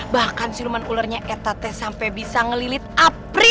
bahkan siluman ularnya etatnya sampai bisa ngelilit april